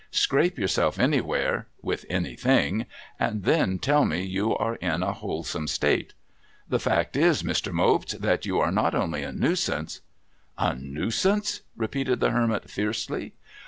Scrape yourself anywhere — with anything — and then tell me you are in a wholesome state. The fact is, Mr. Mopes, that you are not only a Nuisance '' A Nuisance ?' repeated the Hermit, fiercely.